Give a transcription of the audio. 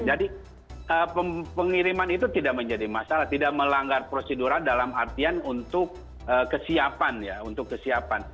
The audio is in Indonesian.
jadi pengiriman itu tidak menjadi masalah tidak melanggar prosedura dalam artian untuk kesiapan